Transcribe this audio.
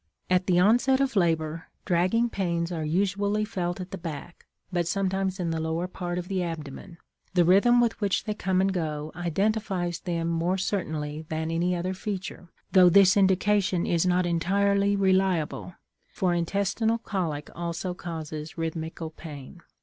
At the onset of labor, dragging pains are usually felt at the back, but sometimes in the lower part of the abdomen. The rhythm with which they come and go identifies them more certainly than any other feature, though this indication is not entirely reliable, for intestinal colic also causes rhythmical pain.